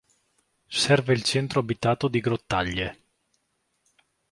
Serve il centro abitato di Grottaglie.